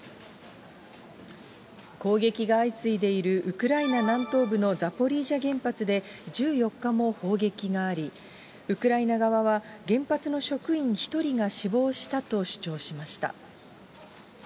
攻撃が相次いでいるウクライナ南東部のザポリージャ原発で、１４日も砲撃があり、ウクライナ側は、原発の職員１人が死亡したと主張しました。